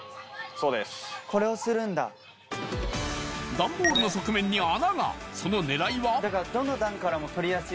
段ボールの側面に穴がその狙いは？